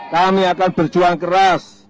kami akan berjuang keras